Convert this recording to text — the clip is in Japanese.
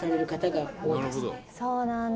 「そうなんだ」